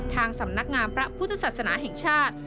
ทางสำนักงามพระพุทธศาสนาแห่งชาติ